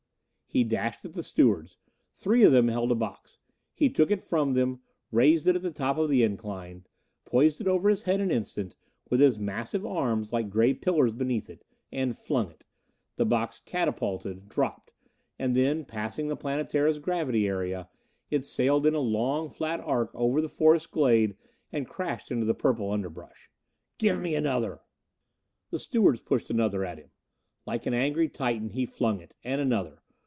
He dashed at the stewards. Three of them held a box. He took it from them; raised it at the top of the incline. Poised it over his head an instant, with his massive arms like gray pillars beneath it. And flung it. The box catapulted, dropped; and then, passing the Planetara's gravity area, it sailed in a long flat arc over the forest glade and crashed into the purple underbrush. "Give me another!" The stewards pushed another at him. Like an angry Titan, he flung it. And another.